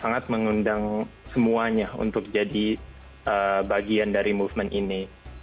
sangat mengundang semuanya untuk jadi bagian dari movement ini